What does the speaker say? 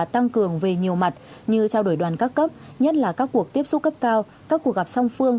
tăng cường về nhiều mặt như trao đổi đoàn các cấp nhất là các cuộc tiếp xúc cấp cao các cuộc gặp song phương